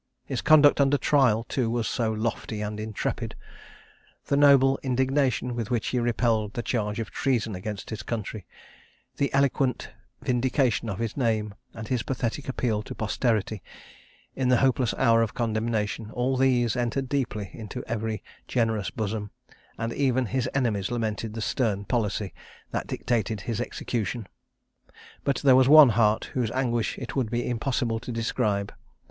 His conduct under trial, too, was so lofty and intrepid! The noble indignation with which he repelled the charge of treason against his country the eloquent vindication of his name and his pathetic appeal to posterity, in the hopeless hour of condemnation all these entered deeply into every generous bosom, and even his enemies lamented the stern policy that dictated his execution. "But there was one heart, whose anguish it would be impossible to describe.